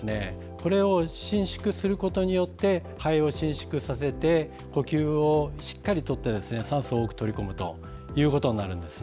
これを伸縮することによって肺を伸縮させて呼吸をしっかりとって酸素を多く取り込むということになるんですね。